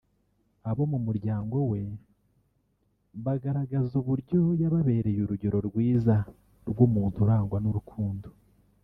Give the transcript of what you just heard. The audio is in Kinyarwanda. abo mu muryango we bagaragaza uburyo yababereye urugero rwiza rw’umuntu urangwa n’urukundo